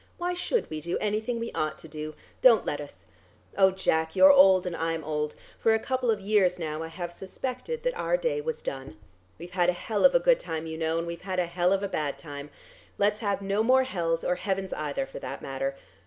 "Why should we do anything we ought to do? Don't let us. Oh, Jack, you're old and I'm old. For a couple of years now I have suspected that our day was done. We've had the hell of a good time, you know, and we've had the hell of a bad time. Let's have no more hells, or heavens either for that matter.